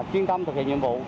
chuyên tâm thực hiện nhiệm vụ